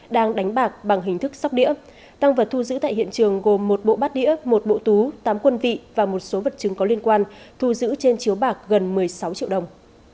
đang đánh bạc bằng hình thức sóc đĩa tăng vật thu giữ tại hiện trường gồm một bộ bát đĩa một bộ tú tám quân vị và một số vật chứng có liên quan thu giữ trên chiếu bạc gần một mươi sáu triệu đồng